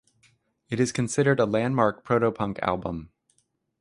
It is considered a landmark proto-punk album.